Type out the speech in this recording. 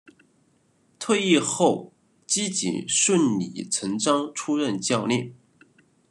退役后基瑾顺理成章出任教练。